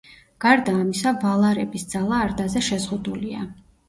გარდა ამისა, ვალარების ძალა არდაზე შეზღუდულია.